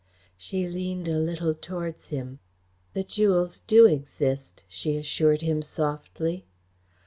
She leaned a little towards him. "The jewels do exist," she assured him softly.